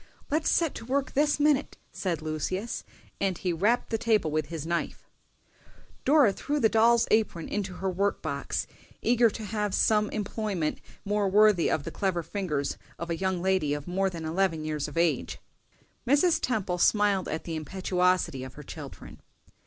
"Let's set to work this minute!" said Lucius, and he rapped the table with his knife. Dora threw the doll's apron into her work box, eager to have some employment more worthy of the clever fingers of a young lady of more than eleven years of age. Mrs. Temple smiled at the impetuosity of her children.